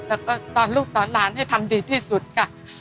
แล้วก็ตอนลูกตอนหลานให้ทำดีที่สุดค่ะ